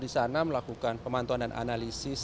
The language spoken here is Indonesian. di sana melakukan pemantauan dan analisis